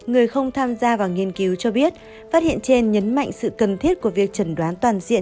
người không tham gia vào nghiên cứu cho biết phát hiện trên nhấn mạnh sự cần thiết của việc trần đoán toàn diện